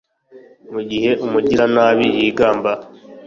Mu gihe umugiranabi yigamba